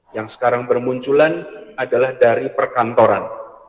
yang sekarang bermunculan adalah dari perkantoran